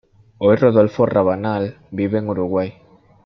Hoy Rodolfo Rabanal vive en Uruguay.